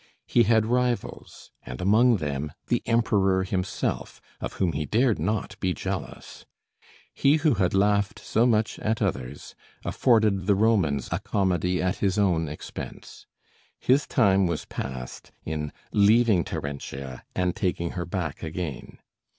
He had rivals, and among them the Emperor himself, of whom he dared not be jealous. He who had laughed so much at others afforded the Romans a comedy at his own expense. His time was passed in leaving Terentia and taking her back again.